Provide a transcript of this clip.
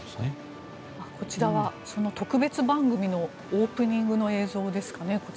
こちらは特別番組のオープニングの映像ですかね。